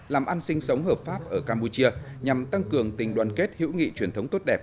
làm ăn sinh sống hợp pháp ở campuchia nhằm tăng cường tình đoàn kết hữu nghị truyền thống tốt đẹp